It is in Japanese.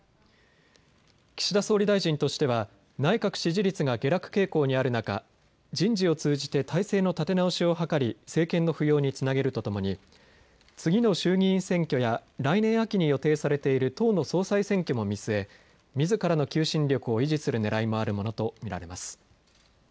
岸田総理大臣としては内閣支持率が下落傾向にある中、人事を通じて態勢の立て直しを図り政権の浮揚につなげるとともに次の衆議院選挙や来年秋に予定されている党の総裁選挙も見据え、みずからの求心力を維持するねらいもあるものと見られます。